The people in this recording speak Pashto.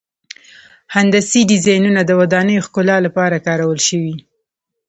هندسي ډیزاینونه د ودانیو ښکلا لپاره کارول شوي.